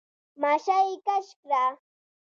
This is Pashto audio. ماشه يې کش کړه.